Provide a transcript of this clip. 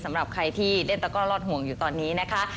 สำหรับใครที่เล่นตะก้อรอดห่วงอยู่ตอนนี้นะคะ